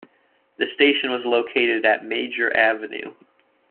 The station was located at Major Avenue.